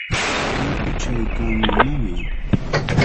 Yaku chaykaamunnami.